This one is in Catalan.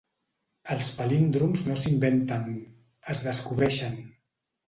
Els palíndroms no s'inventen, es descobreixen.